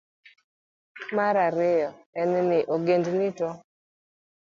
Mar ariyo en ni, ogendini to